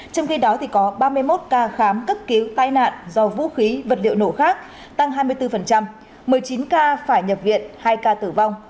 trong khi đó có ba mươi một ca khám cấp cứu tai nạn do vũ khí vật liệu nổ khác tăng hai mươi bốn một mươi chín ca phải nhập viện hai ca tử vong